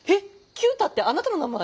⁉九太ってあなたの名前？